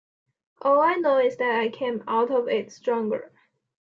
All I know is that I came out of it stronger.